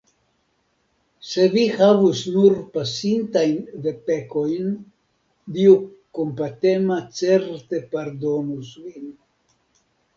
Se vi havus nur pasintajn pekojn, Dio kompatema certe pardonus vin!